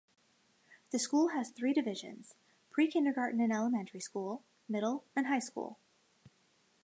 The school has three divisions: pre-kindergarten and elementary school, middle, and high school.